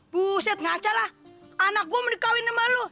buset ngaca lah anak gua mau dikawin sama lu